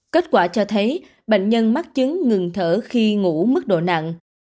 kết quả cho thấy bệnh nhân mắc chứng ngừng thở khi ngủ mức độ nặng